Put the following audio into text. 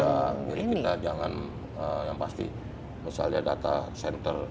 jadi kita jangan yang pasti misalnya data center